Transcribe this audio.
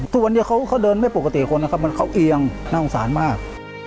ทุกวันนี้เขาเดินไม่ปกติคนนะครับเขาเอียงน่าสงสารมาก